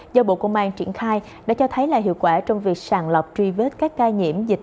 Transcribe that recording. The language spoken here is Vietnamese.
do bộ công an triển khai đã cho thấy là hiệu quả trong việc sàng lọc truy vết các ca nhiễm dịch